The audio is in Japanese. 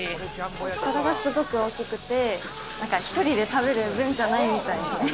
お皿がすごく大きくて１人で食べる分じゃない。